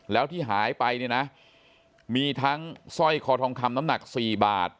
แล้วที่หายไปเนี่ยนะมีทั้งสร้อยคอทองคำน้ำหนัก๔บาท